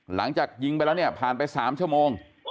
หลังจากยิงไปแล้วเนี่ยผ่านไป๓ชั่วโมง